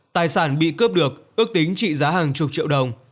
tài sản bị cướp được ước tính trị giá hàng chục triệu đồng